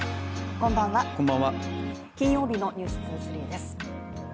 こんばんは、金曜日の「ｎｅｗｓ２３」です。